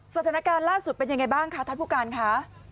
สถานการณ์ล่าสุดเป็นยังไงบ้างคะท่านผู้การค่ะ